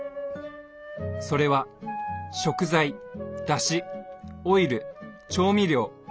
それは食材だしオイル調味料。